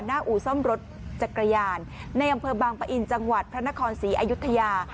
อู่ซ่อมรถจักรยานในอำเภอบางปะอินจังหวัดพระนครศรีอายุทยา